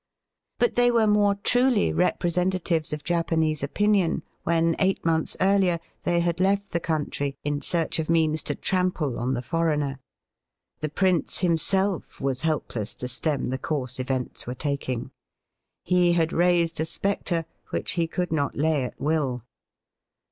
But they were more truly representatives of Japanese opinion when, eight months earlier, they had left the country in search of means to trample on the foreigner. The prince himself was helpless to stem the course events were taking. He had raised a spectre which he could not lay at will.